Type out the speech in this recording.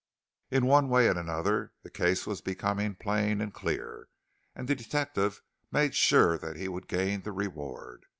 In one way and another the case was becoming plain and clear, and the detective made sure that he would gain the reward.